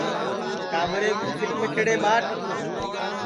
ٹاٻریں کُو کھیٹ میٹڑے ٻاٹ